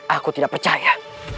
aku tidak percaya